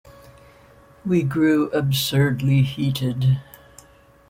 We grew absurdly heated.